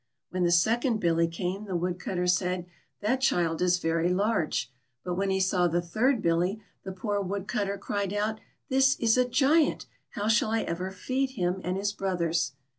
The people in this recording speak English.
When the second Billy came, the Woodcutter said :" That child is BATTV. 199 very large;" but when he saw the third Billy, the poor Woodcutter cried out :" This is a Giant ! How shall I ever feed him and his brothers?"